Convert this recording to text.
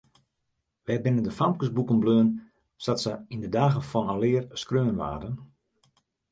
Wêr binne de famkesboeken bleaun sa't se yn de dagen fan alear skreaun waarden?